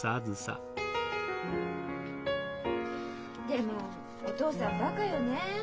でもお父さんバカよね。